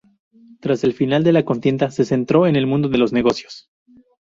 Tras el final de la contienda se centró en el mundo de los negocios.